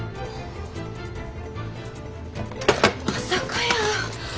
まさかやー。